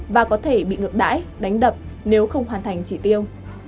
và có thể bị ngược đáy đánh đập nếu không hoàn thành trị tiêu